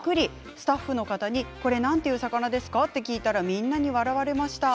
スタッフの方にこれ何という魚ですか？と聞いたらみんなに笑われました。